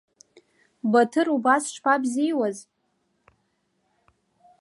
Баҭыр убас шԥабзиуаз?!